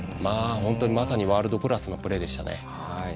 まさにワールドクラスのプレーでしたね。